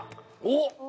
おっ！